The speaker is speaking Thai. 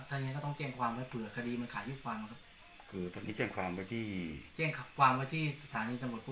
ถ้าอย่างเงี้ยก็ต้องแจ้งความว่า